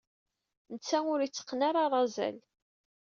Netta ur yetteqqen ara arazal.